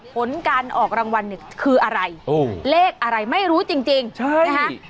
ผลการออกรางวัลเนี้ยคืออะไรโอ้เลขอะไรไม่รู้จริงจริงใช่นะคะ